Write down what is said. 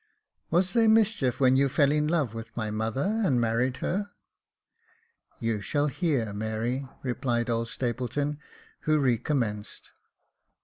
" Was there mischief when you fell in love with my mother and married her ?"*' You shall hear, Mary," replied old Stapleton, who re commenced.